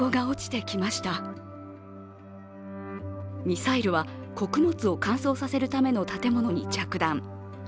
ミサイルは穀物を乾燥させるための建物に着弾。